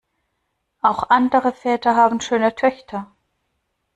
Auch andere Väter haben schöne Töchter.